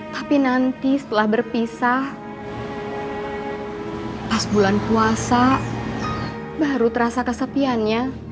tapi nanti setelah berpisah pas bulan puasa baru terasa kesepiannya